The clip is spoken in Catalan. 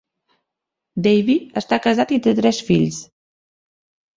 Davie està casat i té tres fills.